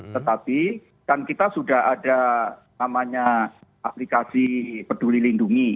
tetapi kan kita sudah ada namanya aplikasi peduli lindungi